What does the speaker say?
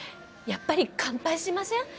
やっぱり乾杯しません？